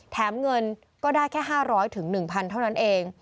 แถมเงินก็ได้แค่๕๐๐๑๐๐เท่านั้นเอง